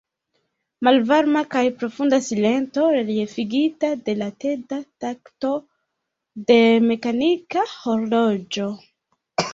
Malvarma kaj profunda silento, reliefigita de la teda takto de mekanika horloĝo.